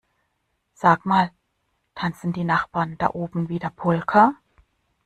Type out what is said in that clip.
Sag mal, tanzen die Nachbarn da oben wieder Polka?